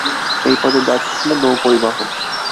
এই পদের দায়িত্ব ছিল নৌ-পরিবহণ।